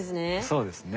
そうですね。